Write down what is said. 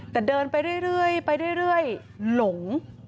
แต่เดินไปเรื่อยไปเรื่อยหลง